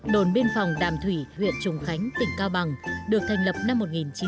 đồn biên phòng đàm thủy huyện trùng khánh tỉnh cao bằng được thành lập năm một nghìn chín trăm bảy mươi